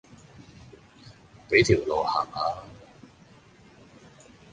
俾條路行下吖